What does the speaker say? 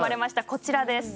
こちらです。